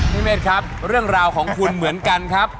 พี่เมฆครับเรื่องราวของคุณเหมือนกันครับ